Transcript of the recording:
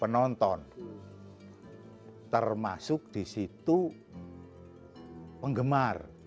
penonton termasuk di situ penggemar